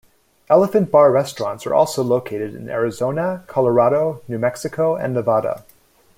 Elephant Bar Restaurants are also located in Arizona, Colorado, New Mexico, and Nevada.